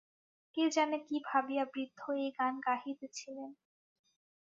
কে জানে কী ভাবিয়া বৃদ্ধ এই গান গাহিতেছিলেন।